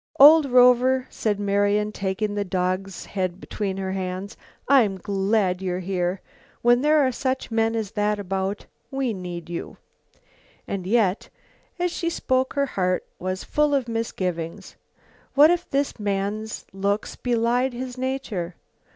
"Old Rover," Marian said, taking the dog's head between her hands. "I'm glad you're here. When there are such men as that about, we need you." And yet, as she spoke her heart was full of misgivings. What if this man's looks belied his nature?